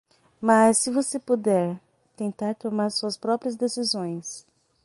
Mas? se você puder? tentar tomar suas próprias decisões.